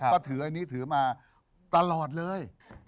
ก็ถืออันนี้ถือมาตลอดเลย